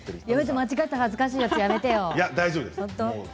間違えたら恥ずかしいからやめてよ。